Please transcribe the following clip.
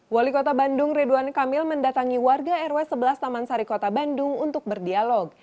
wali kota bandung ridwan kamil mendatangi warga rw sebelas taman sari kota bandung untuk berdialog